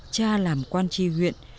cha làm quan tri huyện